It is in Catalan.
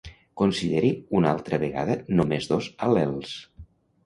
Consideri una altra vegada només dos al·lels.